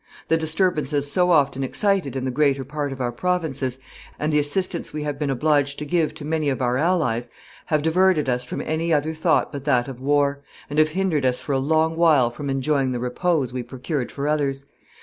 The disturbances so often excited in the greater part of our provinces, and the assistance we have been obliged to give to many of our allies, have diverted us from any other thought but that of war, and have hindered us for a long while from enjoying the repose we procured for others.